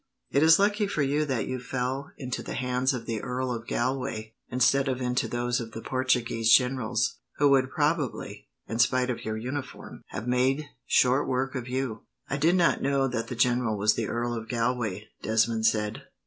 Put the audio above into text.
"It is lucky for you that you fell into the hands of the Earl of Galway, instead of into those of the Portuguese generals, who would probably, in spite of your uniform, have made short work of you." "I did not know that the general was the Earl of Galway," Desmond said.